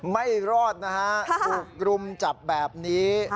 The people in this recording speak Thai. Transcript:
ไม่รอดนะฮะถูกรุมจับแบบนี้